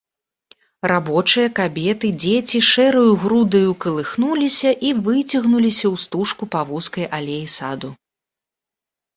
Рабочыя, кабеты, дзеці шэраю грудаю калыхнуліся і выцягнуліся ў стужку па вузкай алеі саду.